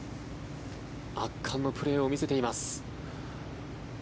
圧巻のプレーを見せています。